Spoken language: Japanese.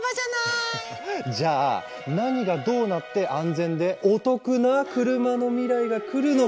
じゃあ何がどうなって安全でお得な車の未来が来るのか。